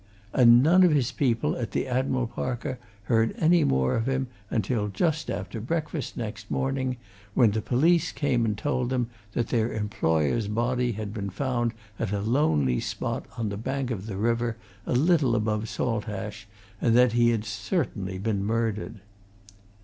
And none of his people at the Admiral Parker heard any more of him until just after breakfast next morning, when the police came and told them that their employer's body had been found at a lonely spot on the bank of the river a little above Saltash, and that he had certainly been murdered.